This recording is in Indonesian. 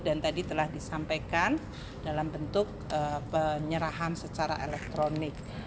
dan tadi telah disampaikan dalam bentuk penyerahan secara elektronik